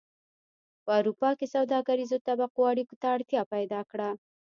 په اروپا کې سوداګریزو طبقو اړیکو ته اړتیا پیدا کړه